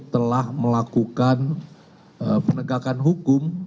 telah melakukan penegakan hukum